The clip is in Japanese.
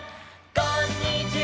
「こんにちは」